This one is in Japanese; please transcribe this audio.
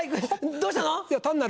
どうしたの？